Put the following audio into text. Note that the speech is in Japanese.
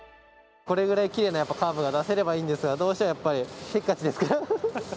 これぐらいきれいなカーブが出せればいいんですがどうしてもやっぱりせっかちですから。